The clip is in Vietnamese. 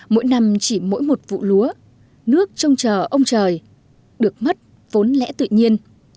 mỗi năm chỉ mỗi một vụ lúa nước trông chờ ông trời được mất vốn lẽ tự nhiên